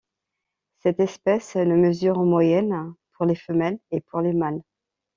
Cette espèce ne mesure en moyenne pour les femelles et pour les mâles.